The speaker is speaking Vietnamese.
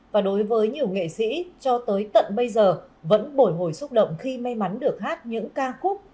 và đối với nhiều nghệ sĩ cho tới tận bây giờ vẫn bồi hồi xúc động khi may mắn được hát những ca khúc